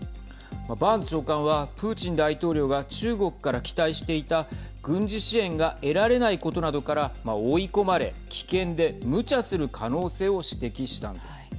バーンズ長官はプーチン大統領が中国から期待していた軍事支援が得られないことなどから追い込まれ、危険でむちゃする可能性を指摘したんです。